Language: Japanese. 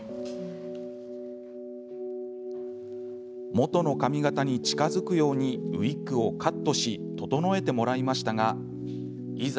元の髪形に近づくようにウイッグをカットし整えてもらいましたがいざ